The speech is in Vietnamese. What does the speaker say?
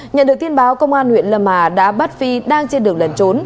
nhận được tin báo công an huyện lâm hà đã bắt phi đang trên đường lần trốn